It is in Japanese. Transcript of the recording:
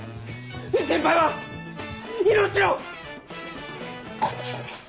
藤先輩は命の恩人です！